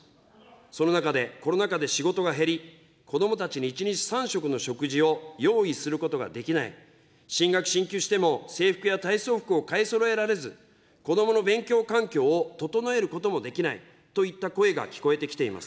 その中で、コロナ禍で仕事が減り、子どもたちに１日３食の食事を用意することができない、進学・進級しても、制服や体操服を買いそろえられず、子どもの勉強環境を整えることもできないといった声が聞こえてきています。